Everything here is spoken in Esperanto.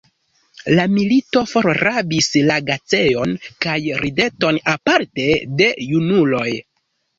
La milito forrabis la gajecon kaj rideton, aparte de junuloj.